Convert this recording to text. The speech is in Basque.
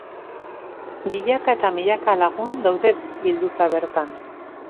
Milaka eta milaka lagun daude bilduta bertan.